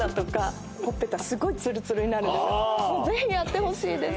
ぜひやってほしいです。